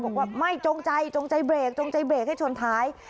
บอกว่าไม่จงใจจงใจเบรกจงใจเบรกให้ชนท้าย